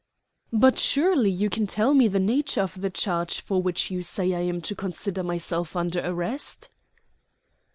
"But surely you can tell me the nature of the charge for which you say I am to consider myself under arrest?"